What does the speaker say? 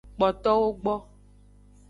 Kpotowo gbo.